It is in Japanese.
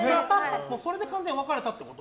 それで完全に別れたってこと？